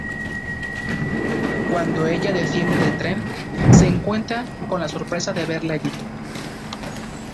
Cuando ella desciende del tren se encuentra con la sorpresa de verle allí.